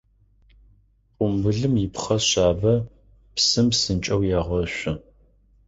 Къумбылым ипхъэ шъабэ, псым псынкӏэу егъэшъу.